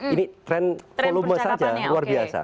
ini tren volume saja luar biasa